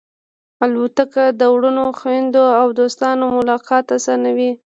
الوتکه د وروڼو، خوېندو او دوستانو ملاقات آسانوي.